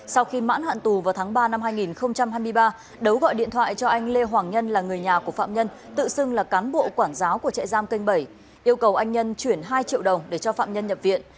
sau khi mãn hạn tù vào tháng ba năm hai nghìn hai mươi ba đấu gọi điện thoại cho anh lê hoàng nhân là người nhà của phạm nhân tự xưng là cán bộ quản giáo của chạy giam kênh bảy yêu cầu anh nhân chuyển hai triệu đồng để cho phạm nhân nhập viện